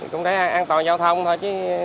cũng để an toàn giao thông thôi